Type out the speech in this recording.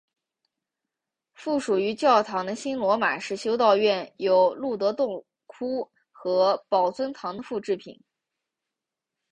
附属于教堂的新罗马式修道院有露德洞窟和宝尊堂的复制品。